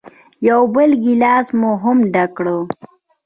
یو بل ګیلاس مو هم ډک کړ.